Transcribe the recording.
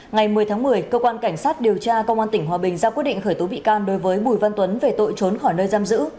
ngày một mươi tháng một mươi cơ quan cảnh sát điều tra công an tỉnh hòa bình ra quyết định khởi tố bị can đối với bùi văn tuấn về tội trốn khỏi nơi giam giữ